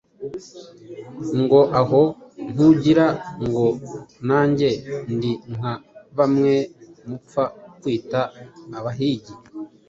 ngo: “Aho ntugira ngo nange ndi nka bamwe mupfa kwita abahigi!”